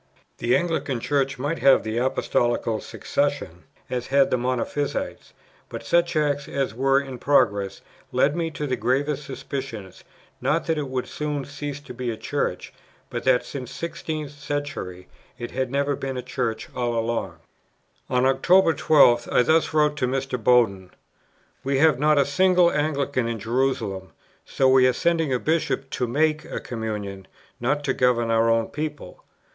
The Anglican Church might have the Apostolical succession, as had the Monophysites; but such acts as were in progress led me to the gravest suspicion, not that it would soon cease to be a Church, but that, since the 16th century, it had never been a Church all along. On October 12th, I thus wrote to Mr. Bowden: "We have not a single Anglican in Jerusalem; so we are sending a Bishop to make a communion, not to govern our own people.